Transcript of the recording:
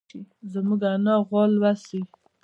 زموږ انا غوا لوسي.